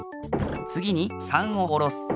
つぎに３をおろす。